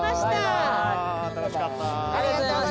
楽しかった。